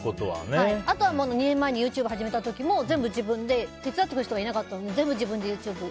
あとは２年前にＹｏｕＴｕｂｅ始めた時も手伝ってくれる人がいなかったので全部、自分でＹｏｕＴｕｂｅ。